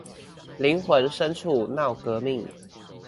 靈魂深處鬧革命